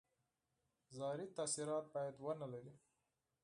زهري تاثیرات باید ونه لري.